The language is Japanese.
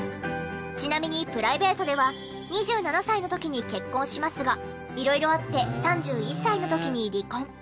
ちなみにプライベートでは２７歳の時に結婚しますが色々あって３１歳の時に離婚。